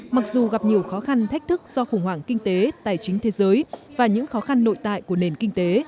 mặc dù gặp nhiều khó khăn thách thức do khủng hoảng kinh tế tài chính thế giới và những khó khăn nội tại của nền kinh tế